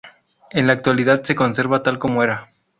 En la actualidad se conserva tal como era.